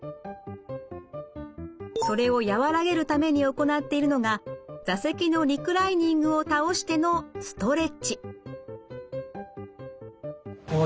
それを和らげるために行っているのが座席のリクライニングを倒してのストレッチ。